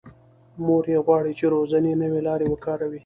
مور یې غواړي چې روزنې نوې لارې وکاروي.